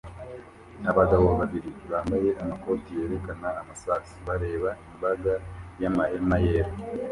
Abagabo babiri bambaye amakoti yerekana amasasu bareba imbaga y'amahema yera